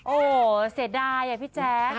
โอ้เสดายอ่ะพี่แจ๊ก